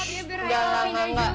dia berani berani juga